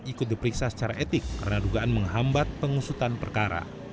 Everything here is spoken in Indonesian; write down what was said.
ikut diperiksa secara etik karena dugaan menghambat pengusutan perkara